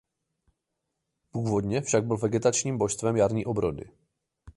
Původně však byl vegetačním božstvem jarní obrody.